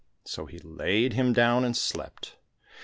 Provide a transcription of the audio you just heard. So he laid him down and slept.